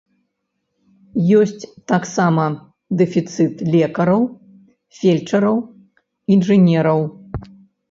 Ёсць таксама дэфіцыт лекараў, фельчараў, інжынераў.